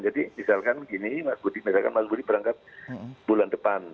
jadi misalkan gini mas budi misalkan mas budi berangkat bulan depan